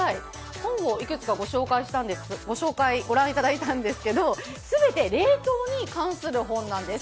本をいくつかご覧いただいたんですけどすべて冷凍に関する本なんです。